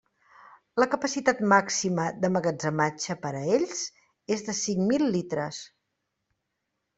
La capacitat màxima d'emmagatzematge per a ells és de cinc mil litres.